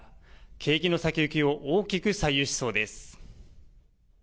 景気の先行きを大きく左右しそうです。